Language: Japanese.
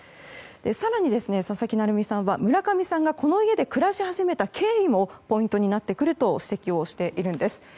更に、佐々木成三さんは村上さんがこの家で暮らし始めた経緯もポイントになってくると指摘しているんです。